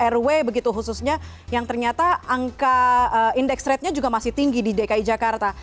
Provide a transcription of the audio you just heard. rw begitu khususnya yang ternyata angka indeks ratenya juga masih tinggi di dki jakarta